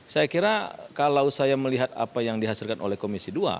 saya kira kalau saya melihat apa yang dihasilkan oleh komisi dua